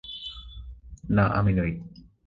না আমি নই।